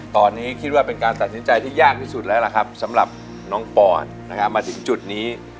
ตอนนี้คิดว่าเป็นการตัดสินใจที่ยากที่สุดแล้วล่ะครับสำหรับน้องปอนนะครับมาถึงจุดนี้